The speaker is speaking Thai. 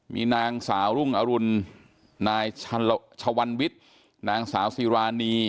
มีนางสาวรุ่งอรุณนายชวันวิทย์นางสาวซีรานี